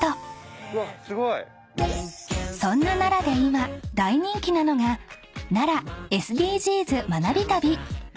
［そんな奈良で今大人気なのが奈良ＳＤＧｓ学び旅］何？